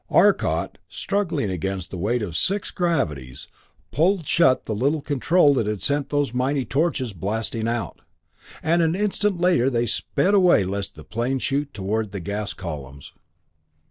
Arcot, struggling against the weight of six gravities, pulled shut the little control that had sent those mighty torches blasting out. An instant later they sped away lest the plane shoot toward the gas columns.